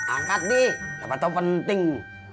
angkat nih siapa tau penting